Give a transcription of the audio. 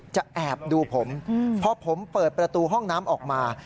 แอบดูผมพอผมเปิดประตูห้องน้ำออกมา